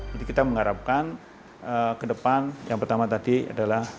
jadi kita mengharapkan ke depan yang pertama tadi adalah